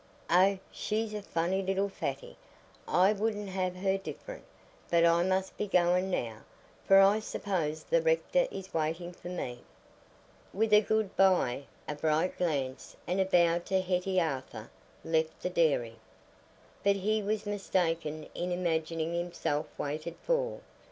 "Oh, she's a funny little fatty; I wouldn't have her different. But I must be going now, for I suppose the rector is waiting for me." With a "good bye," a bright glance, and a bow to Hetty Arthur left the dairy. But he was mistaken in imagining himself waited for.